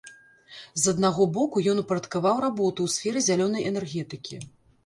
З аднаго боку, ён упарадкаваў работу ў сферы зялёнай энергетыкі.